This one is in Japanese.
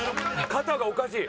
肩がおかしい。